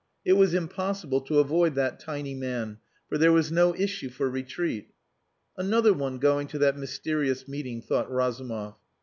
It was impossible to avoid that tiny man, for there was no issue for retreat. "Another one going to that mysterious meeting," thought Razumov.